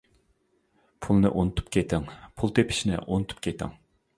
پۇلنى ئۇنتۇپ كېتىڭ، پۇل تېپىشنى ئۇنتۇپ كېتىڭ.